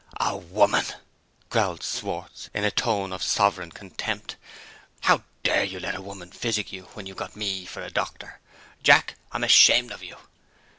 "A woman!" growled Schwartz, in a tone of sovereign contempt. "How dare you let a woman physic you, when you've got me for a doctor? Jack! I'm ashamed of you."